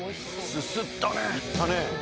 すすったね。